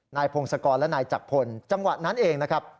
นายพงศกรและนายจักรพลจังหวะนั้นเอง